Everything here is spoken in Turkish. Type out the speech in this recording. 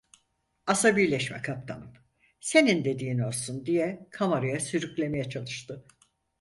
Asabileşme kaptanım, senin dediğin olsun! diye kamaraya sürüklemeye çalıştı.